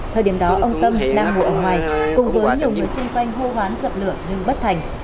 thời điểm đó ông tâm đang ngồi ở ngoài cùng với nhiều người xung quanh hô hoán dập lửa nhưng bất thành